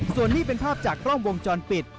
ส่วนนี้เป็นภาพจากกล้องวงจรปิด